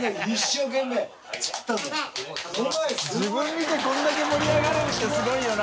見てこれだけ盛り上がれるってすごいよな。